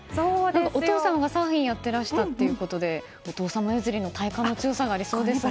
お父さんがサーフィンをやってらしたということでお父様譲りの体幹の強さがありそうですよね。